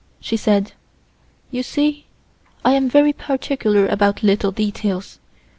She said: "You see I am very particular about little details.